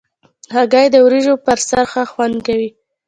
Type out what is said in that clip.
هګۍ د وریجو پر سر ښه خوند کوي.